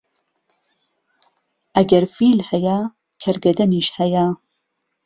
ئەگەر فیل هەیە، کەرگەدەنیش هەیە